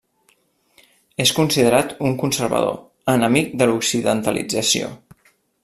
És considerat un conservador, enemic de l'occidentalització.